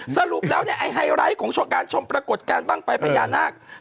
สรุปแล้วไฮไลท์ของช่วงการชมปรากฏการณ์ตั้งไฟพญานาค